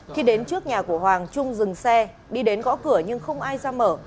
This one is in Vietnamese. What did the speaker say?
khi đến trước nhà của hoàng trung dừng xe đi đến gõ cửa nhưng không ai ra mở